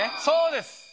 そうです。